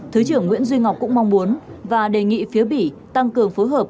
thứ trưởng nguyễn duy ngọc cũng mong muốn và đề nghị phía bỉ tăng cường phối hợp